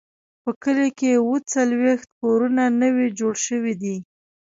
په کلي کې اووه څلوېښت کورونه نوي جوړ شوي دي.